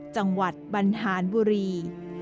จังหวัดบรรทานบุรี